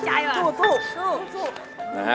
สู้สู้